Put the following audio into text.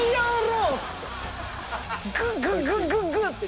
グググググッ！って。